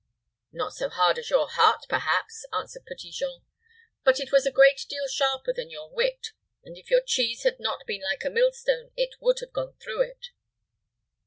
"Not so hard as your heart, perhaps," answered Petit Jean; "but it was a great deal sharper than your wit; and if your cheese had not been like a millstone, it would have gone through it."